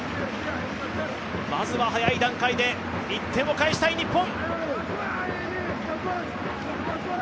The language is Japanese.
まずは早い段階で１点を返したい日本。